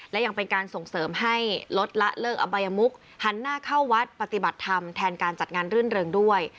และยังเป็นการส่งเสริมให้ลดละเลิกอบัยมุกหันหน้าเข้าวัดปฏิบัติธรรมแทนการจัดงานรื่นเริงด้วย